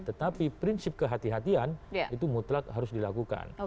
tetapi prinsip kehatian itu mutlak harus dilakukan